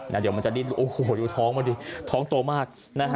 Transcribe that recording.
เดี๋ยวมันจะดิ้นโอ้โหดูท้องมันดิท้องโตมากนะฮะ